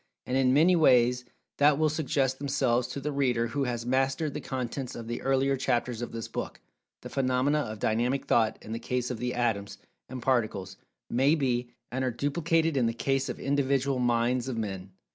And, in many ways that will suggest themselves to the reader who has mastered the contents of the earlier chapters of this book, the phenomena of Dynamic Thought in the case of the Atoms, and Particles, may be, and are duplicated in the case of Individual Minds of Men.